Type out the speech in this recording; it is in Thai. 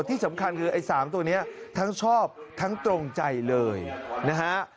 ที่สำคัญคือไอ้๓ตัวนี้ทั้งชอบทั้งตรงใจเลยนะฮะ